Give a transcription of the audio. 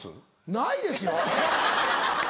ないですよ！